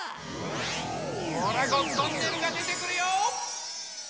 ほらゴットンネルがでてくるよ！